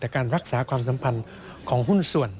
แต่การรักษาความสัมพันธ์ของหุ้นส่วน